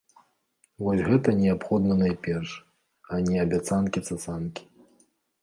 Вось што неабходна найперш, а не абяцанкі-цацанкі.